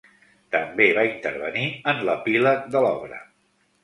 També va intervenir en l'epíleg de l'obra.